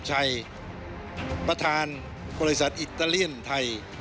หน้า